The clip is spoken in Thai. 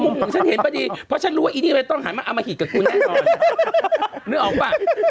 ไม่ใช่ผมเพิ่งอ่านเมื่อกี้นี่แหละ